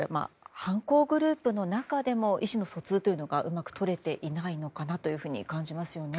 犯行グループの中でも意思の疎通がうまく取れていないのかなと感じますよね。